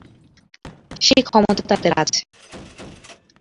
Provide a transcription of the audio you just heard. সেই ক্ষমতা তাদের আছে।